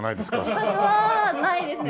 自宅はないですね。